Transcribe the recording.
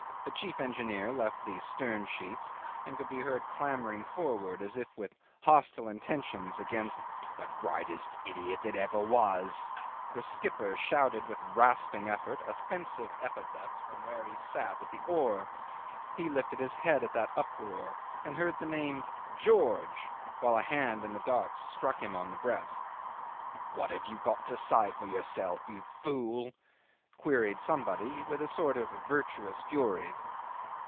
The chief engineer left the stern sheets, and could be heard clambering forward as if with hostile intentions against "the greatest idiot that ever was." The skipper shouted with rasping effort offensive epithets from where he sat at the oar. He lifted his head at that uproar, and heard the name "George," while a hand in the dark struck him on the breast. "What have you got to say for yourself, you fool?" queried somebody, with a sort of virtuous fury.